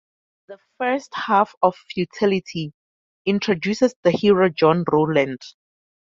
The first half of "Futility" introduces the hero John Rowland.